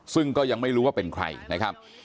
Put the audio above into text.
ซึ่งก็ยังไม่รู้ว่าเป็นใครนะครับ